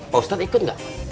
pak ustadz ikut tidak